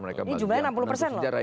ini jumlahnya enam puluh persen loh